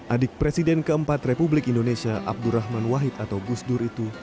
adik presiden keempat republik indonesia abdurrahman wahid atau gusdur itu